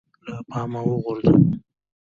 له پامه وغورځوو